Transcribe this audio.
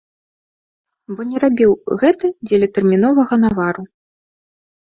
Бо не рабіў гэта дзеля тэрміновага навару.